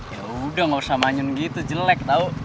yaudah gak usah manyun gitu jelek tau